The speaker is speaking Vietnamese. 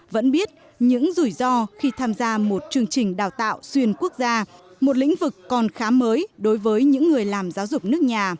vẫn biết những rủi ro khi tham gia một chương trình đào tạo xuyên quốc gia một lĩnh vực còn khá mới đối với những người làm giáo dục nước nhà